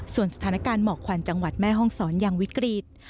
ส่วนสถานการณ์หมอกควันจังหวัดแม่ห้องศรยังวิกฤต